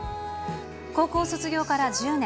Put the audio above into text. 高校卒業から１０年。